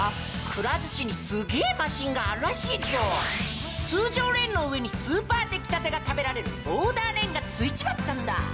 くら寿司にすげえマシンがあるらしいぞ通常レーンの上にスーパーできたてが食べられるオーダーレーンがついちまったんだ